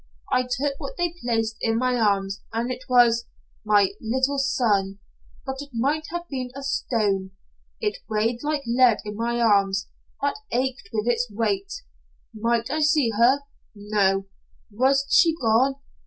I took what they placed in my arms, and it was my little son, but it might have been a stone. It weighed like lead in my arms, that ached with its weight. Might I see her? No. Was she gone?